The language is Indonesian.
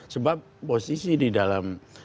sebab posisi di dalam